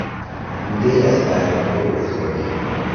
تودهای از برگهای افتاده